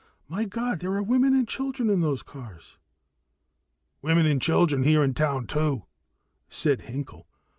My God, there are women and children in those cars!" "Women and children here in town too," said Hinkel.